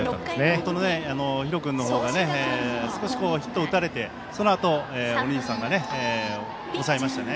弟の比呂君のほうがヒットを打たれてそのあとお兄さんが抑えましたね。